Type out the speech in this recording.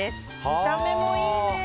見た目もいいね。